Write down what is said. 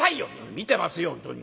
「見てますよ本当に」。